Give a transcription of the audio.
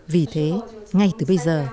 vì thế ngay từ bây giờ